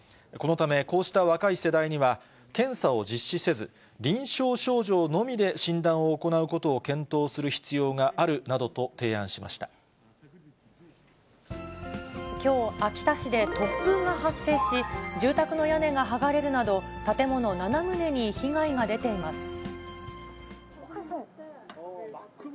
このため、こうした若い世代には、検査を実施せず、臨床症状のみで診断を行うことを検討する必要があるなどと提案しきょう、秋田市で突風が発生し、住宅の屋根が剥がれるなど、建物７棟に被害が出ています。